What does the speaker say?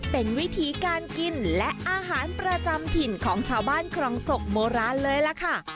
เป็นวิธีการกินและอาหารประจำถิ่นของชาวบ้านครองศกโบราณเลยล่ะค่ะ